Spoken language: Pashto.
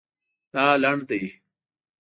دا لنډ دی